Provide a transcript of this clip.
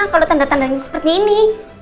kalau tanda tandanya seperti ini